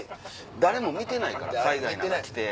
誰も見てないから海外なんか来て。